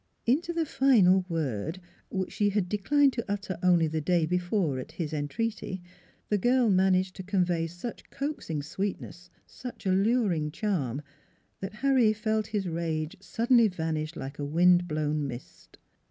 " Into the final word which she had declined to utter only the day before at his entreaty the girl managed to convey such coaxing sweet ness, such alluring charm that Harry felt his rage suddenly vanish like a wind blown mist.